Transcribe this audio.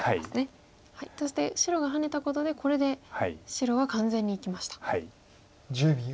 そして白がハネたことでこれで白は完全に生きました。